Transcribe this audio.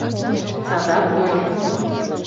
Садак мыйын!